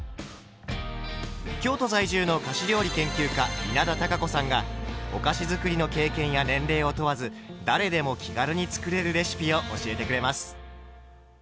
京都在住の菓子料理研究家稲田多佳子さんがお菓子づくりの経験や年齢を問わず誰でも気軽に作れるレシピを教えてくれます。